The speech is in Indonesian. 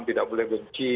tidak boleh benci